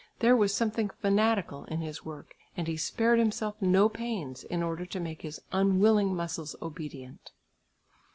There was something fanatical in his work and he spared himself no pains in order to make his unwilling muscles obedient.